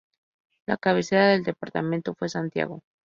La cabecera del departamento fue Santiago.